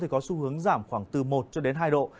có xu hướng giảm khoảng từ một cho đến hai độ